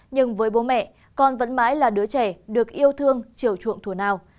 nhưng với bố mẹ con vẫn mãi là đứa trẻ được yêu thương chiều thùa nào